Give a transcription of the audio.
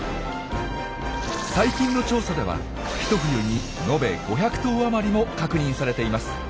最近の調査ではひと冬にのべ５００頭余りも確認されています。